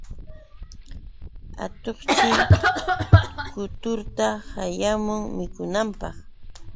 Atuqshi kuturta qayamun mikunanpaq.